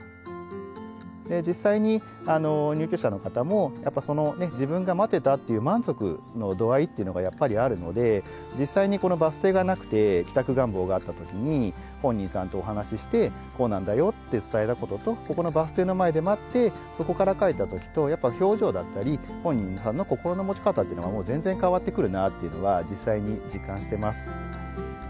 実際に入居者の方も自分が待ってたっていう満足の度合いっていうのがやっぱりあるので実際にこのバス停がなくて帰宅願望があった時に本人さんとお話ししてこうなんだよって伝えたこととここのバス停の前で待ってそこから帰った時とやっぱ表情だったり本人さんの心の持ち方っていうのがもう全然変わってくるなっていうのは実際に実感してます。